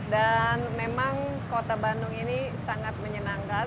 dan memang kota bandung ini sangat menyenangkan